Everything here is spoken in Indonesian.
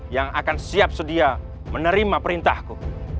yang akan siap sedia menerima perintahku